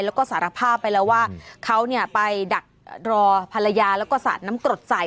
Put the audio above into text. แล้วก็สารภาพไปแล้วว่าเขาเนี่ยไปดักรอภรรยาแล้วก็สาดน้ำกรดใส่